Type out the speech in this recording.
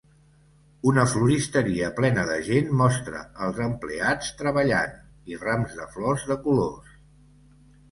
Una floristeria plena de gent mostra els empleats treballant i rams de flors de colors.